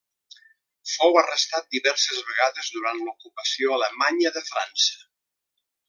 Fou arrestat diverses vegades durant l'ocupació alemanya de França.